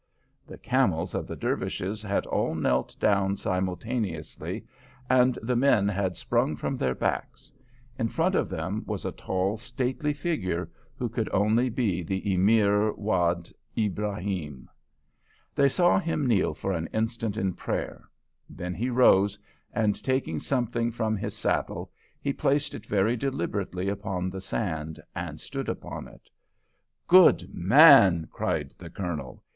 The camels of the Dervishes had all knelt down simultaneously, and the men had sprung from their backs. In front of them was a tall, stately figure, who could only be the Emir Wad Ibrahim. They saw him kneel for an instant in prayer. Then he rose, and taking something from his saddle he placed it very deliberately upon the sand and stood upon it. "Good man!" cried the Colonel.